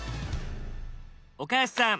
岡安さん